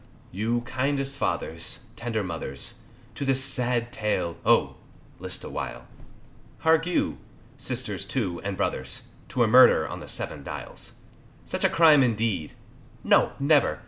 You kindest fathers, tender mothers, To this sad tale, oh! list awhile, Hark you, sisters, too, and brothers, To a murder on the Seven Dials; Such a crime indeed, no never!